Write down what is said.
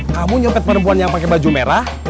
kamu nyopet perempuan yang pakai baju merah